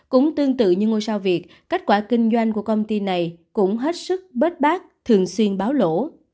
cũng tương tự như ngôi sao việt kết quả kinh doanh của công ty này cũng hết sức bớt bác thường xuyên báo lỗ